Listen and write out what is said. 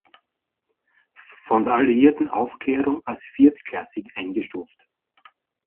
Von der alliierten Aufklärung als viertklassig eingestuft.